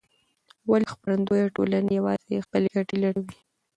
ولې خپرندویه ټولنې یوازې خپلې ګټې لټوي؟